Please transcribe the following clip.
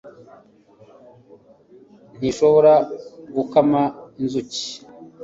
ntishobora gukama inzuki